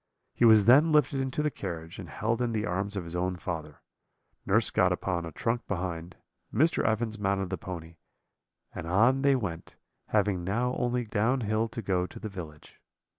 He was then lifted into the carriage, and held in the arms of his own father; nurse got upon a trunk behind, Mr. Evans mounted the pony, and on they went, having now only down hill to go to the village.